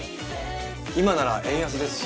今なら円安ですし。